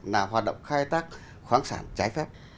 là hoạt động khai thác khoáng sản trái phép